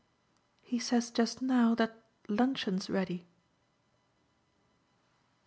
"He says just now that luncheon's ready."